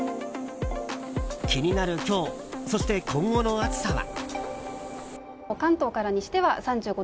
気になる今日そして今後の暑さは？